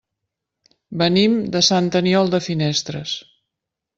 Venim de Sant Aniol de Finestres.